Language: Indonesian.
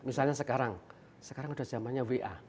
misalnya sekarang sekarang udah zamannya wa